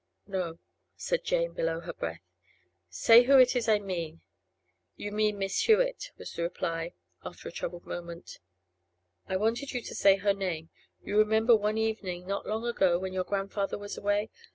'No,' said Jane, below her breath. 'Say who it is I mean.' 'You mean Miss Hewett,' was the reply, after a troubled moment. 'I wanted you to say her name. You remember one evening not long ago, when your grandfather was away?